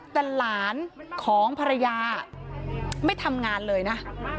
แต่หลานของภรรยาไม่ทำงานเลยนะ